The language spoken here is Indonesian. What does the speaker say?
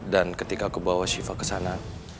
dan ketika aku bawa siva kesana